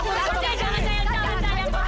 kamu diri apa